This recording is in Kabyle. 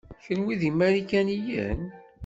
Kenwi d imarikaniyen?